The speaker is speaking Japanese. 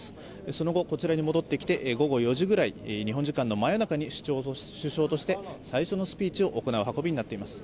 その後こちらに戻ってきて午後４時ぐらい、日本時間の真夜中に首相として最初のスピーチを行う運びとなっています。